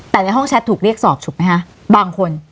แต่ในห้องแชทถูกเรียกสอบถูกไหมคะบางคน